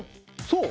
そう。